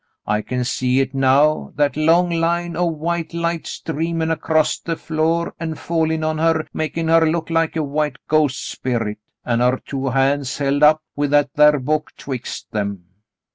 I can see hit now, that long line o' white light streamin' acrost the floor an' fallin' on her, makin' her look like a white ghost spirit, an' her two hands held up with that thar book 'twixt 'em.